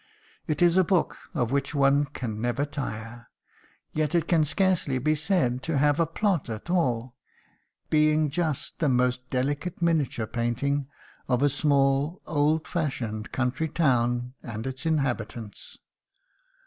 It is a book of which one can never tire: yet it can scarcely be said to have a plot at all, being just the most delicate miniature painting of a small old fashioned country town and its inhabitants.